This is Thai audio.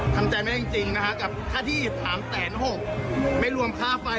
ทางใจไม่ได้จริงจริงนะฮะกับค่าที่ถามแต่นหกไม่รวมค่าไฟ